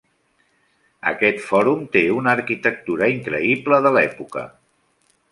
Aquest fòrum té una arquitectura increïble de l'època.